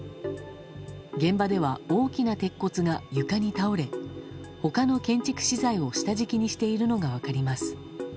現場では大きな鉄骨が床に倒れ他の建築資材を下敷きにしているのが分かります。